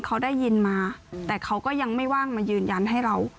เขาได้ยินมาแต่เขาก็ยังไม่ว่างมายืนยันให้เรา